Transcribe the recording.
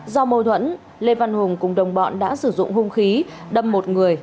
do mâu thuẫn lê văn hùng cùng đồng bọn đã sử dụng hung khí đâm một người